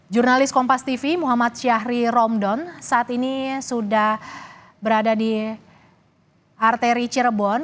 jurnalis kompas tv muhammad syahri romdon saat ini sudah berada di arteri cirebon